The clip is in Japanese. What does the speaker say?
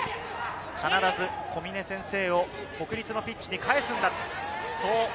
必ず小嶺先生を国立のピッチに帰すんだ。